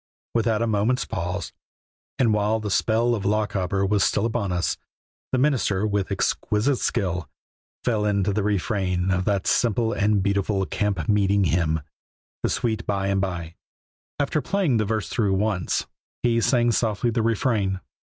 Without a moment's pause, and while the spell of "Lochaber" was still upon us, the minister, with exquisite skill, fell into the refrain of that simple and beautiful camp meeting hymn, "The Sweet By and By." After playing the verse through once he sang softly the refrain.